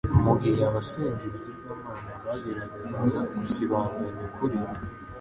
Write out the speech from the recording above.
Mu gibe abasenga ibigirwamana bageragezaga gusiribanga ukuri,